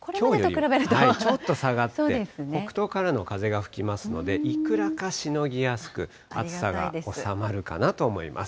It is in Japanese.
ちょっと下がって、北東からの風が吹きますので、いくらかしのぎやすく、暑さが収まるかなと思います。